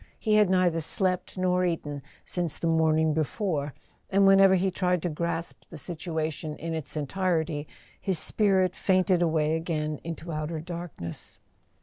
He had neither slept nor eaten since the morning before, and whenever he tried to grasp the situation in its entirety his spirit fainted away again into outer darkness.